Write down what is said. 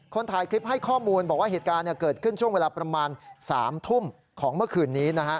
ถ่ายคลิปให้ข้อมูลบอกว่าเหตุการณ์เกิดขึ้นช่วงเวลาประมาณ๓ทุ่มของเมื่อคืนนี้นะฮะ